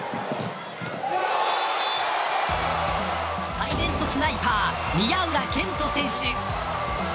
サイレントスナイパー宮浦健人選手。